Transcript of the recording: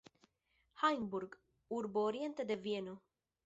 Hajnburg, urbo oriente de Vieno.